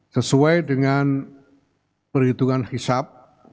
sesuai dengan perhitungan hisap